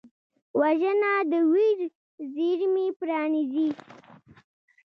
وژنه د ویر زېرمې پرانیزي